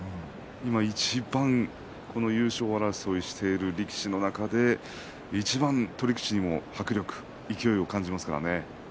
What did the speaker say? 今、いちばんこの優勝争いしている力士の中でいちばん取り口にも迫力勢いを感じますからね。